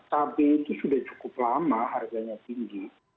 cabai itu sudah cukup lama harganya tinggi